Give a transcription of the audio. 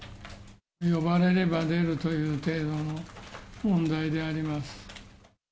呼ばれれば出るという程度の問題であります。